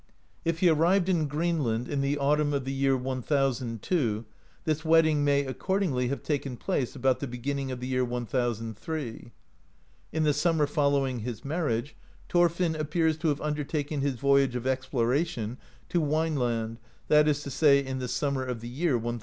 If he arrived in Greenland in the autumn of the year 1002, this wedding may, accordingly, have taken place about the beginning of the year 1003. In the sum mer following his marriage, Thorfinn appears to have un dertaken his voyage of exploration to Wienland, that is to say in the summer of the year 1003.